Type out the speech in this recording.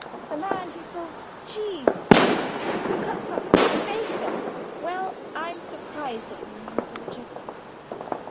A man who sells cheese! Who cuts up bacon! Well, I am surprised at you, Mr. Richard!"